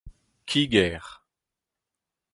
kiger